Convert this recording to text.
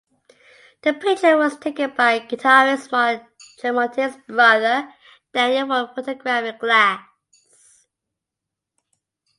The picture was taken by guitarist Mark Tremonti's brother, Daniel, for a photography class.